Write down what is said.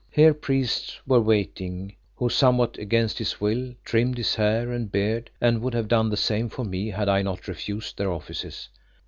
Here priests were waiting, who, somewhat against his will, trimmed his hair and beard, and would have done the same for me had I not refused their offices.